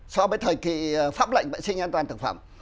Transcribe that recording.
so với thời kỳ pháp lệnh vệ sinh an toàn thực phẩm